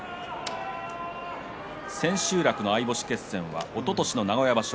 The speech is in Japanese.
千秋楽の相星決戦はおととしの名古屋場所